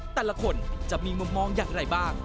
แต่ละคนจะมีมุมมองอย่างไรบ้าง